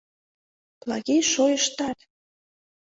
Плагий Шойыштат!